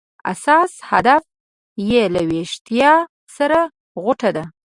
اساس هدف یې له ویښتیا سره غوټه ده.